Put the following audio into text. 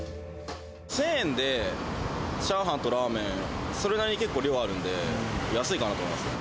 １０００円でチャーハンとラーメン、それなりに結構、量あるんで、安いかなと思いますよ。